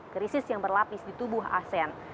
krisis yang berlapis di tubuh asean